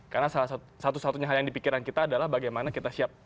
karena salah satu satu satunya hal yang dipikiran kita adalah bagaimana kita siap